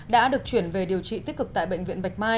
đã được chuyển về điều trị tích cực tại bệnh viện bạch mai